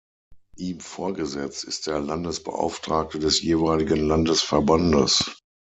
Ihm vorgesetzt ist der Landesbeauftragte des jeweiligen Landesverbandes.